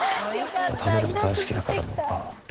食べるの大好きだからむぅばあ。